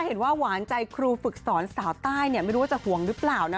เห็นว่าหวานใจครูฝึกสอนสาวใต้ไม่รู้ว่าจะห่วงหรือเปล่านะ